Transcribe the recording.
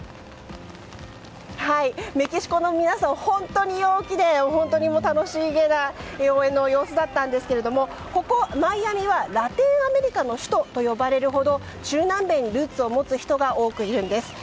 メキシコの皆さん本当に陽気で楽しげな応援の様子だったんですけどここマイアミはラテンアメリカの首都と呼ばれるほど中南米にルーツを持つ人が多くいるんです。